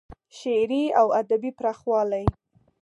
شعري او ادبي پراخوالی